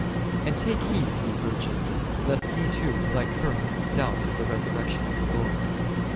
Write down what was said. And take heed, ye virgins, lest ye too, like her, doubt of the resurrection of the Lord.